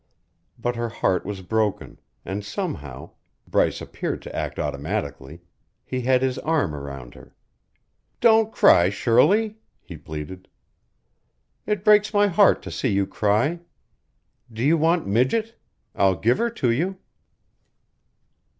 But her heart was broken, and somehow Bryce appeared to act automatically he had his arm around her. "Don't cry, Shirley," he pleaded. "It breaks my heart to see you cry. Do you want Midget? I'll give her to you."